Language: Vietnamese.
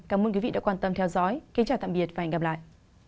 cảm ơn quý vị đã quan tâm theo dõi kính chào tạm biệt và hẹn gặp lại